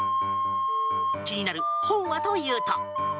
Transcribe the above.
気になる本はというと。